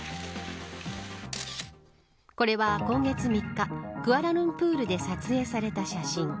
これは今月３日クアラルンプールで撮影された写真。